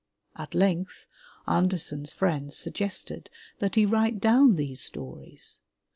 At length, Andersen's friends suggested that he write down these stories.